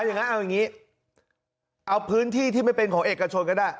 อย่างนั้นเอาอย่างนี้เอาพื้นที่ที่ไม่เป็นของเอกชนก็ได้